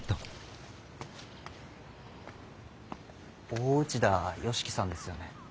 大内田佳基さんですよね？